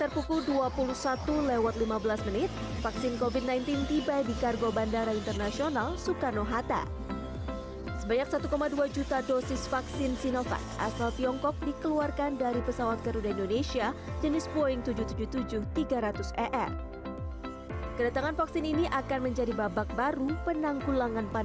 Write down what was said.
pemerintah memastikan vaksin yang akan diberikan aman